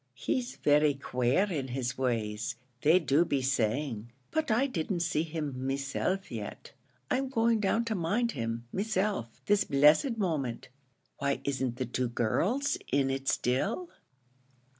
"He's very quare in his ways, they do be saying; but I didn't see him meself yet; I'm going down to mind him, meself, this blessed moment." "Why, isn't the two girls in it still?"